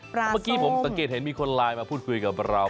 เมื่อกี้ผมสังเกตเห็นมีคนไลน์มาพูดคุยกับเรา